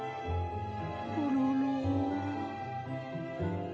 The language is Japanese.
コロロ。